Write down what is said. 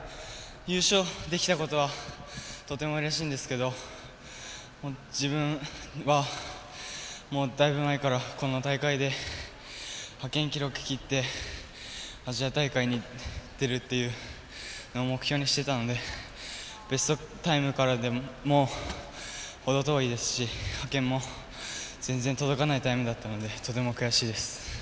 優勝できたことはとてもうれしいんですが自分はだいぶ前からこの大会で派遣記録を切ってアジア大会に出るっていうのを目標にしていたのでベストタイムからも程遠いですし派遣も全然届かないタイムだったのでとても悔しいです。